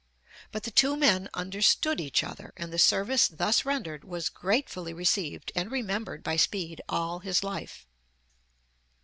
But the two men understood each other, and the service thus rendered was gratefully received and remembered by Speed all his life.